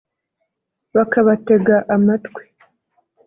bakabatega amatwi